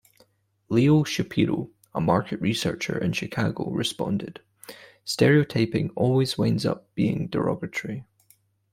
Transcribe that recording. Leo Shapiro, a market researcher in Chicago, responded, Stereotyping always winds up being derogatory.